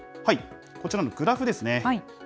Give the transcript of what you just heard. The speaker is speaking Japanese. こちらのグラフですね。